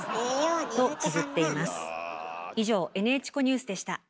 以上「ＮＨコＮＥＷＳ」でした。